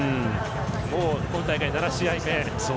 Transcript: もう今大会７試合目。